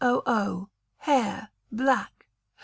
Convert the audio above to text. Hair (Black).